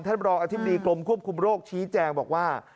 รองอธิบดีกรมควบคุมโรคชี้แจงบอกว่า